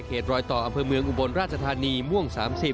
รอยต่ออำเภอเมืองอุบลราชธานีม่วง๓๐